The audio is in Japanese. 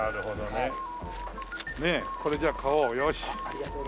ねえこれじゃあ買おう。